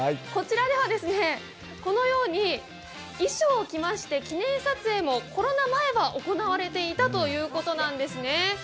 こちらではこのように衣装を着まして記念撮影もコロナ前は行われていたということなんですね。